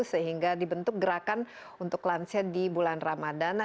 sehingga dibentuk gerakan untuk lansia di bulan ramadan